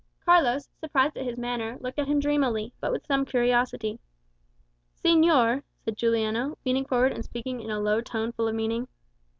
Carlos, surprised at his manner, looked at him dreamily, but with some curiosity. "Señor," said Juliano, leaning forward and speaking in a low tone full of meaning.